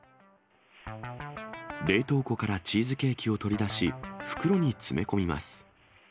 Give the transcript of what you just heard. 冷凍庫からチーズケーキを取り出し、袋に詰め込みます。